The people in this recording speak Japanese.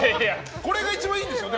これが一番いいんでしょ？